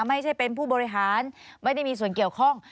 ไม่ใช่เป็นผู้บริหารไม่ได้มีส่วนเกี่ยวข้อง